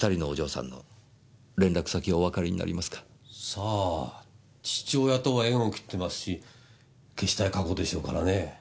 さあ父親とは縁を切ってますし消したい過去でしょうからね。